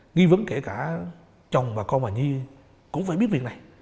nghi vấn kể cả chồng và con bà nhi cũng phải biết việc này